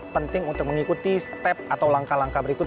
penting untuk mengikuti step atau langkah langkah berikut